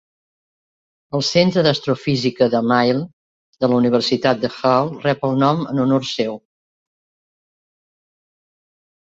El Centre d'Astrofísica de Milne de la Universitat de Hull rep el nom en honor seu.